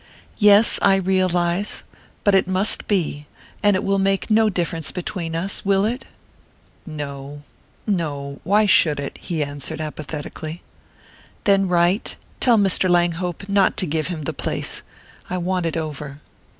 "Yes I realize.... But it must be.... And it will make no difference between us...will it?" "No no. Why should it?" he answered apathetically. "Then write tell Mr. Langhope not to give him the place. I want it over."